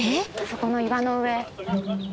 そこの岩の上。